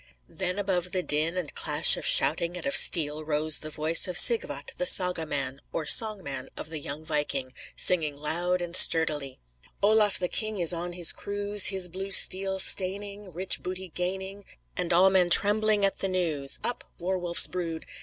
Then above the din and clash of shouting and of steel rose the voice of Sigvat the saga man, or song man of the young viking, singing loud and sturdily: "Olaf the King is on his cruise, His blue steel staining, Rich booty gaining, And all men trembling at the news, Up, war wolf's brood!